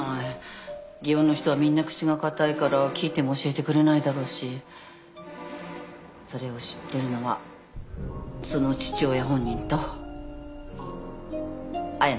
祇園の人はみんな口が堅いから聞いても教えてくれないだろうしそれを知ってるのはその父親本人と綾乃さんだけ。